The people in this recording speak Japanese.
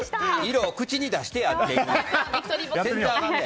色を口に出してやっていかな。